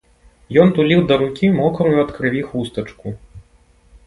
Ён туліў да рукі мокрую ад крыві хустачку.